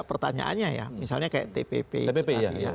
pertanyaannya ya misalnya kayak tpp